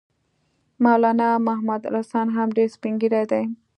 مولنا محمودالحسن هم ډېر سپین ږیری دی.